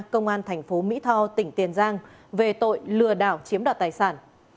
công an thành phố mỹ tho tỉnh tiền giang về tội lừa đảo chiếm đoạt tài sản